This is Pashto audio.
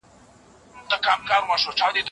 ناڅاپي پرېکړې ګټه نه لري.